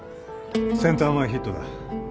センター前ヒットだ。